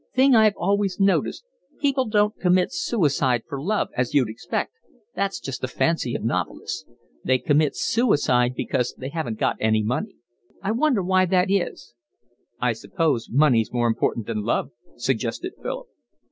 Thing I've always noticed, people don't commit suicide for love, as you'd expect, that's just a fancy of novelists; they commit suicide because they haven't got any money. I wonder why that is." "I suppose money's more important than love," suggested Philip.